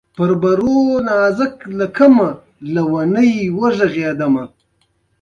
ازادي راډیو د طبیعي پېښې په اړه د خلکو احساسات شریک کړي.